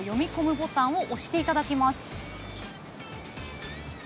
ボタンを押していただきます。